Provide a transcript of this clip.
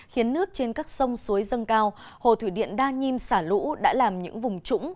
khiến nước trên các sông suối dâng cao hồ thủy điện đa nhiêm xả lũ đã làm những vùng trũng